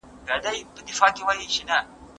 بهرني پلانونه دلته تل ناکام شوي.